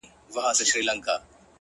• اوس د رقیبانو پېغورونو ته به څه وایو,